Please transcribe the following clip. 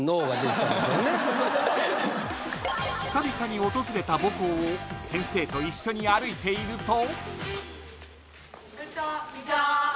［久々に訪れた母校を先生と一緒に歩いていると］